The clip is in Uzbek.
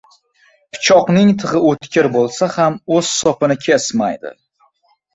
• Pichoqning tig‘i o‘tkir bo‘lsa ham o‘z sopini kesmaydi.